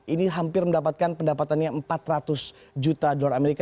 ini hampir mendapatkan pendapatannya empat ratus juta dolar amerika